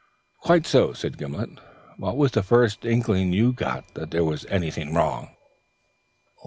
"Quite so," said Gimblet. "What was the first intimation you got that there was anything wrong?"